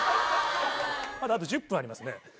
まだあと１０分ありますね。